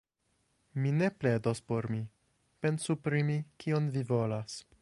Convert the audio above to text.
Mi ne pledos por mi; pensu pri mi, kion vi volos.